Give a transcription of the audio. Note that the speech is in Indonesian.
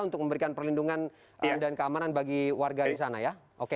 untuk memberikan perlindungan dan keamanan bagi warga di sana ya